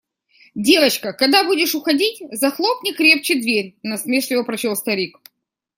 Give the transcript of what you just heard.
«Девочка, когда будешь уходить, захлопни крепче дверь», – насмешливо прочел старик.